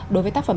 đối với tác phẩm